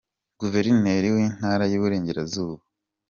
Guverineri w’Intara y’Iburengerazuba